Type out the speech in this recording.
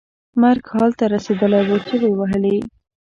مرګ حال ته رسېدلی و چغې یې وهلې.